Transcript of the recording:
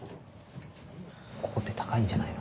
ここって高いんじゃないの？